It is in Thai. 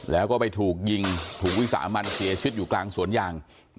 ลาก็ไปถูกยิงถูกไว้สอามันเสียชุดอยู่กลางสวนย่างนะครับ